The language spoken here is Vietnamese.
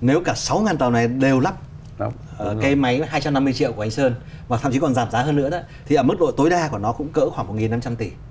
nếu cả sáu tàu này đều lắp cái máy hai trăm năm mươi triệu của anh sơn và thậm chí còn giảm giá hơn nữa thì ở mức độ tối đa của nó cũng cỡ khoảng một năm trăm linh tỷ